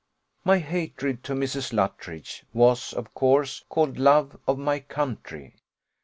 My hatred to Mrs. Luttridge was, of course, called love of my country.